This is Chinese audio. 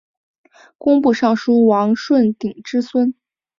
工部尚书王舜鼎之孙。